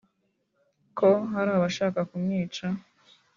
ko hari abashaka kumwica